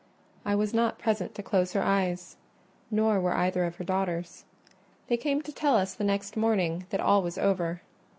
I was not present to close her eyes, nor were either of her daughters. They came to tell us the next morning that all was over.